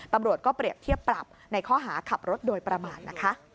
ปรับบริเวณก็เปรียบเทียบปรับในข้อหาขับรถโดยประมาณ